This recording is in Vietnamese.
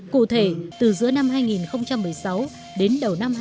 cụ thể từ giữa năm hai nghìn một mươi sáu đến đầu năm hai nghìn một mươi bảy